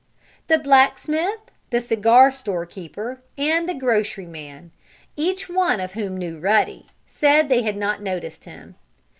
The blacksmith, the cigar store keeper and the grocery man each one of whom knew Ruddy said they had not noticed him.